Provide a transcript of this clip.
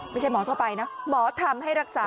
ไม่ใช่หมอทั่วไปนะหมอทำให้รักษา